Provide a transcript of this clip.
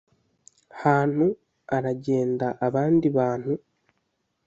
hantu aragenda Abandi bantu